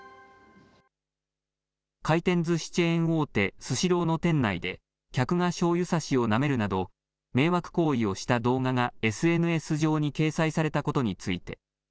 回転ずしチェーン大手、スシローの店内で、客がしょうゆさしをなめるなど、迷惑行為をした動画がＳＮＳ上に掲載されたことについて。